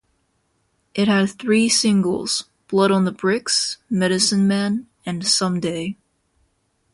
It had three singles: "Blood on the Bricks", "Medicine Man", and "Someday".